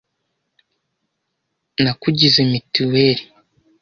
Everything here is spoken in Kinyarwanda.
Nakugize mitiweli.